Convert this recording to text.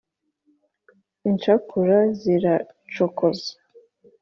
incakura zirancokoza